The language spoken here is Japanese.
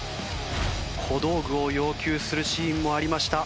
小道具を要求するシーンもありました。